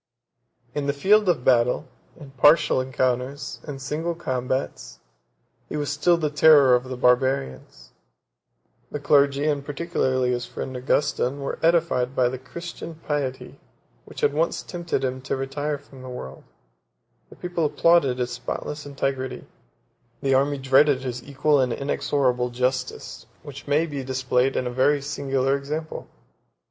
In the field of battle, in partial encounters, in single combats, he was still the terror of the Barbarians: the clergy, and particularly his friend Augustin, were edified by the Christian piety which had once tempted him to retire from the world; the people applauded his spotless integrity; the army dreaded his equal and inexorable justice, which may be displayed in a very singular example.